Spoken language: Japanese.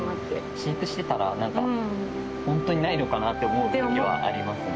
飼育してたら本当にないのかなって思うときはありますね。